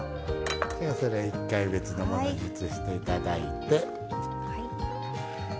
一回、別のものに移していただいて。